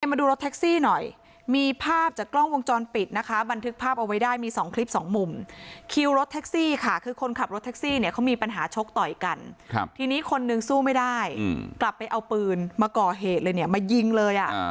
มาดูรถแท็กซี่หน่อยมีภาพจากกล้องวงจรปิดนะคะบันทึกภาพเอาไว้ได้มีสองคลิปสองมุมคิวรถแท็กซี่ค่ะคือคนขับรถแท็กซี่เนี่ยเขามีปัญหาชกต่อยกันทีนี้คนนึงสู้ไม่ได้กลับไปเอาปืนมาก่อเหตุเลยเนี่ยมายิงเลยอ่ะ